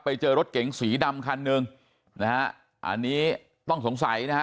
ไปเจอรถเก๋งสีดำคันหนึ่งนะฮะอันนี้ต้องสงสัยนะฮะ